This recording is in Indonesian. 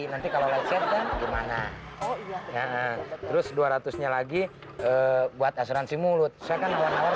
nanti kalau lecet kan gimana oh iya terus dua ratus nya lagi buat asuransi mulut saya kan hewan air